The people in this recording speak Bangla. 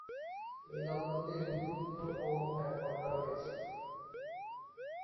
এ দম্পতির দুই পুত্র ও এক কন্যা রয়েছে।